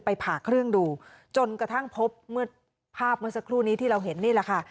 ผ่าเครื่องดูจนกระทั่งพบเมื่อภาพเมื่อสักครู่นี้ที่เราเห็นนี่แหละค่ะ